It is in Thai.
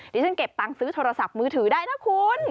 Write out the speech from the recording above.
ที่ฉันเก็บตังค์ซื้อโทรศัพท์มือถือได้นะคุณ